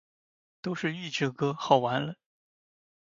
都是预制歌，好完了